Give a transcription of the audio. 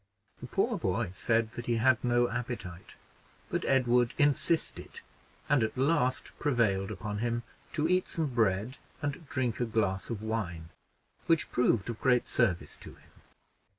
The poor boy said that he had no appetite; but Edward insisted and at last prevailed upon him to eat some bread and drink a glass of wine, which proved of great service to him.